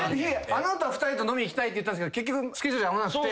あの後２人と飲みに行きたいって言ったんすけど結局スケジュール合わなくて。